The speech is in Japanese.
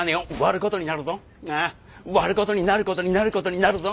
ああ割ることになることになることになるぞ。